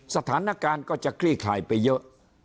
สถานการณ์ก็จะคลี่คลายไปเยอะ